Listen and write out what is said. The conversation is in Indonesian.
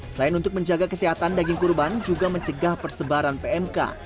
selain untuk menjaga kesehatan daging kurban juga mencegah persebaran pmk